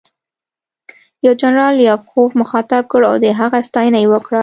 یو جنرال لیاخوف مخاطب کړ او د هغه ستاینه یې وکړه